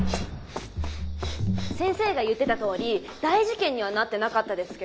先生が言ってたとおり大事件にはなってなかったですけ